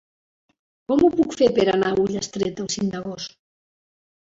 Com ho puc fer per anar a Ullastret el cinc d'agost?